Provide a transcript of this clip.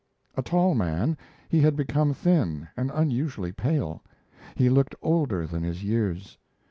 A tall man, he had become thin and unusually pale; he looked older than his years.